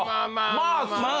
まあまあ